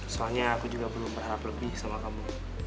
soalnya aku juga belum berharap lebih sama kamu